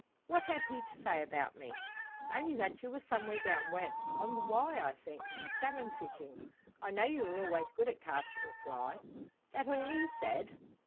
"What had he to say about me?" "Only that you were somewhere down west on the Wye I think salmon fishing. I know you were always good at casting a fly." "That all he said?"